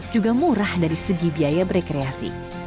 juga murah dari segi biaya berkreasi